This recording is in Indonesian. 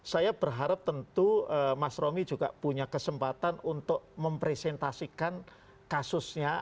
saya berharap tentu mas romi juga punya kesempatan untuk mempresentasikan kasusnya